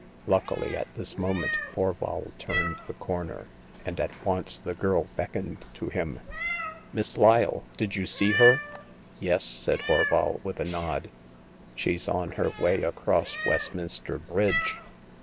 Luckily, at this moment Horval turned the corner, and at once the girl beckoned to him. " Miss Lyle — did you see her ?"Yes," said Horval, with a nod ;she's on her way across Westminster Bridge.''